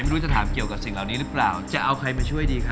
ไม่รู้จะถามเกี่ยวกับสิ่งเหล่านี้หรือเปล่าจะเอาใครมาช่วยดีครับ